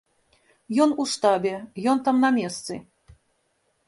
Ён у штабе, ён там на месцы.